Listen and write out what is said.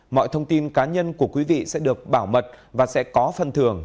mọi thông tin cá nhân của quý vị sẽ được bảo mật và sẽ có phần thưởng